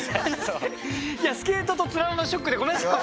いや「スケート」と「つらら」のショックでごめんなさい。